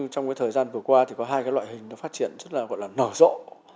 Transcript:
trong thời gian vừa qua có hai loại hình phát triển rất là nở rộ